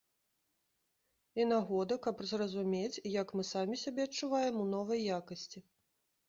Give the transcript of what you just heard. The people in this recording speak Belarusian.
І нагода, каб зразумець, як мы самі сябе адчуваем у новай якасці.